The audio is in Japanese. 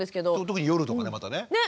特に夜とかねまたね。ね！